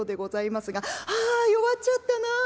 「はあ弱っちゃったな。